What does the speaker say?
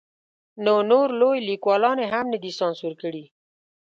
نو نور لوی لیکوالان یې هم نه دي سانسور کړي.